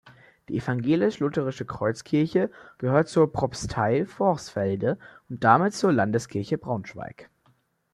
Die Evangelisch-lutherische Kreuzkirche gehört zur Propstei Vorsfelde und damit zur Landeskirche Braunschweig.